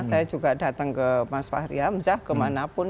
saya juga datang ke mas fahri hamzah kemanapun